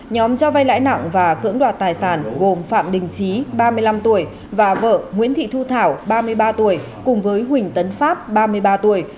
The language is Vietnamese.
nhóm cho vay lãi nặng và cưỡng đoạt tài sản gồm phạm đình trí ba mươi năm tuổi và vợ nguyễn thị thu thảo ba mươi ba tuổi cùng với huỳnh tấn pháp ba mươi ba tuổi